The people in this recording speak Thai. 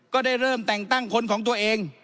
ก็ได้เริ่มแต่งตั้งคนของตัวเอง